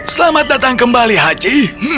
selamat datang kembali hachi